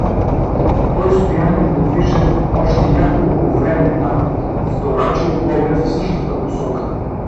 Той стоя неподвижен още няколко време там, вторачил поглед в същата посока.